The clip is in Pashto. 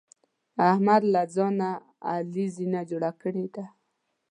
احمد له ځان نه علي زینه جوړه کړې ده.